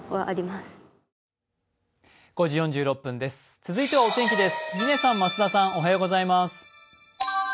続いてはお天気です。